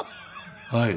はい。